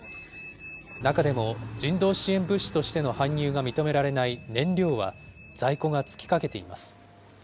中でも人道支援物資としての搬入が認められない燃料は、在庫が尽きかけています。